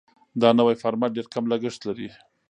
دا نوی فارمټ ډېر کم لګښت لري.